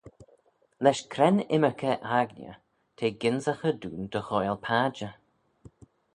Lesh cre'n ymmyrkey aigney t'eh gynsaghey dooin dy ghoaill padjer?